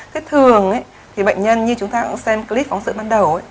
thế thường thì bệnh nhân như chúng ta cũng xem clip phóng sự ban đầu ấy